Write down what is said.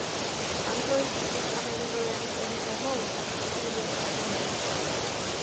ამ დროისთვის ესპანელი როიალისტების ჯარმა უკან, ჩრდილოეთისაკენ დაიხია.